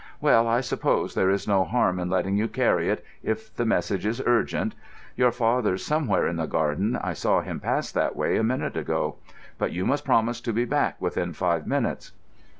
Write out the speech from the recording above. "Well, I suppose there is no harm in letting you carry it, if the message is urgent. Your father's somewhere in the garden; I saw him pass that way a minute ago. But you must promise to be back within five minutes."